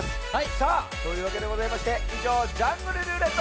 さあというわけでございましていじょう「ジャングルるーれっと」